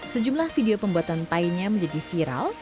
sejumlah video pembuatan kue pie nya menjadi viral